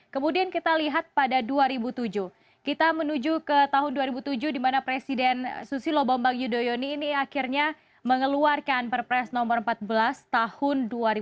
kemudian kita lihat pada dua ribu tujuh kita menuju ke tahun dua ribu tujuh di mana presiden susilo bambang yudhoyono ini akhirnya mengeluarkan perpres nomor empat belas tahun dua ribu tujuh belas